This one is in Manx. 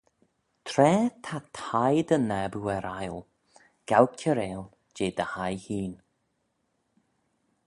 Tra ta thie dty naboo er aile, gow cairail jeh dty hie hene